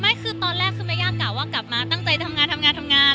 ไม่คือตอนแรกคือไม่ยากกะว่ากลับมาตั้งใจทำงาน